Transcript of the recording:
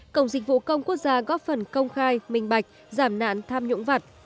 cổng dịch vụ công quốc gia góp phần công khai minh bạch giảm nạn tham nhũng vật